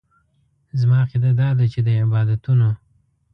زما عقیده داده چې د عبادتونو.